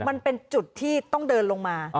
มันเป็นจุดที่ต้องเดินลงมา